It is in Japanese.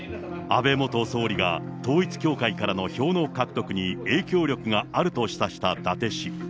安倍元総理が統一教会からの票の獲得に影響力があると示唆した伊達市。